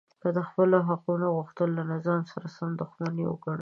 که د خپلو حقونو غوښتل له نظام سره دښمني وګڼو